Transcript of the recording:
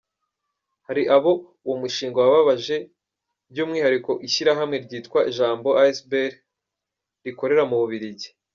Hari abo uwo mushinga wababaje, by’umwihariko ishyirahamwe ryitwa Jambo Asbl rikorera mu Bubiligi.